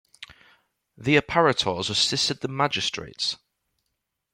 The "apparitores" assisted the magistrates.